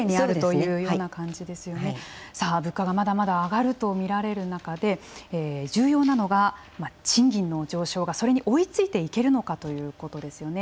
物価がまだまだ上がると見られる中で重要なのが賃金の上昇がそれに追いついていけるかということですね。